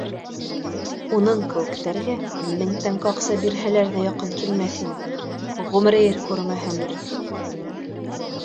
Уның кеүектәргә, мең тәңкә аҡса бирһәләр ҙә, яҡын килмәҫ инем, ғүмер ир күрмәһәм дә